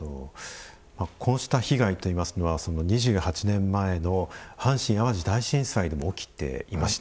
こうした被害といいますのは２８年前の阪神・淡路大震災でも起きていました。